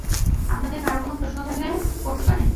আপনাদের কারো কোনো প্রশ্ন থাকলে করতে পারেন।